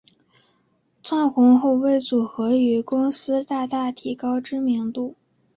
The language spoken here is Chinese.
窜红后为组合与公司大大提高知名度。